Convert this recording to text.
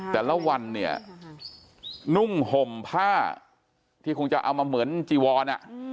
แต่ละวันเนี่ยนุ่งห่มผ้าที่คงจะเอามาเหมือนจีวอน